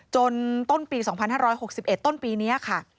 จนต้นปี๒๕๖๑ต้นปีนี้ค่ะ